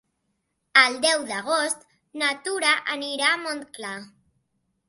El deu d'agost na Tura anirà a Montclar.